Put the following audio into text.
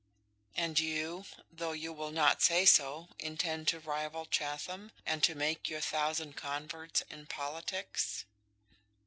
"And you, though you will not say so, intend to rival Chatham, and to make your thousand converts in politics."